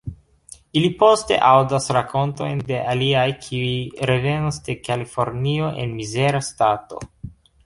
Ili poste aŭdas rakontojn de aliaj kiuj revenas de Kalifornio en mizera stato.